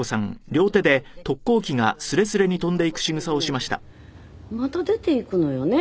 それでねまた出て行くのよね